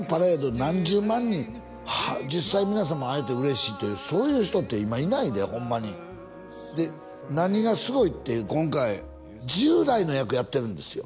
何十万人実際皆さんも会えて嬉しいっていうそういう人って今いないでホンマにで何がすごいって今回１０代の役やってるんですよ